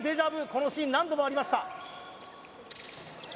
このシーン何度もありました